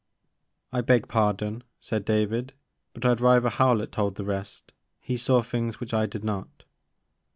" I beg pardon," said David, but I 'd rather Howlett told the rest. He saw things which I did not."